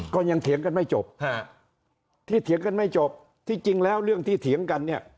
เถียงกันไม่จบที่เถียงกันไม่จบที่จริงแล้วเรื่องที่เถียงกันเนี่ย